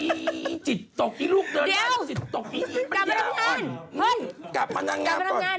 เดี๋ยวกลับมาทำงาน